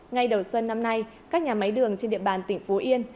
ngay đầu xuân năm nay các nhà máy đường trên địa bàn tỉnh phú yên